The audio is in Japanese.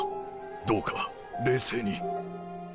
どうか冷静に。